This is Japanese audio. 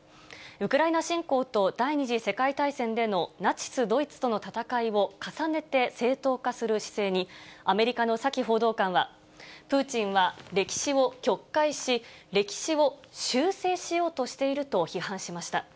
ウクライナ侵攻と第２次世界大戦でのナチス・ドイツとの戦いを重ねて正当化する姿勢に、アメリカのサキ報道官は、プーチンは歴史を曲解し、歴史を修正しようとしていると批判しました。